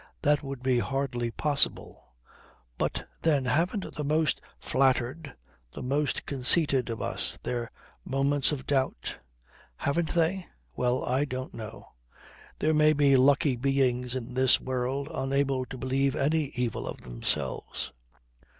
That would be hardly possible. But then haven't the most flattered, the most conceited of us their moments of doubt? Haven't they? Well, I don't know. There may be lucky beings in this world unable to believe any evil of themselves.